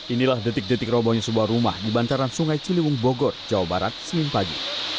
inilah detik detik robohnya sebuah rumah di bantaran sungai ciliwung bogor jawa barat senin pagi